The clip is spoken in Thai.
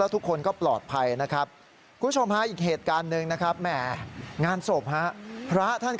เที่ยงคืนนะคุณ